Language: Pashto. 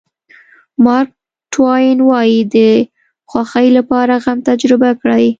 مارک ټواین وایي د خوښۍ لپاره غم تجربه کړئ.